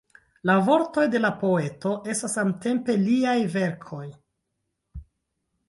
La vortoj de la poeto estas samtempe liaj verkoj.